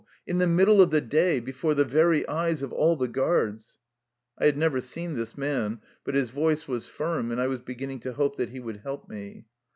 In the middle of the day, be fore the very eyes of all the guards !" I had never seen this man, but his voice was firm, and I was beginning to hope that he would help me.